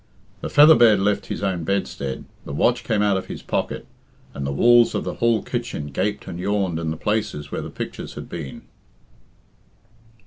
The featherbed left his own bedstead, the watch came out of his pocket, and the walls of the hall kitchen gaped and yawned in the places where the pictures had been.